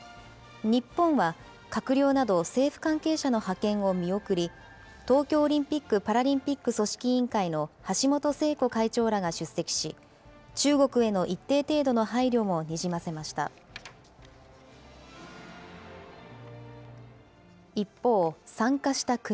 日本は閣僚など、政府関係者の派遣を見送り、東京オリンピック・パラリンピック組織委員会の橋本聖子会長らが出席し、中国への一定程度の配慮もにじませました。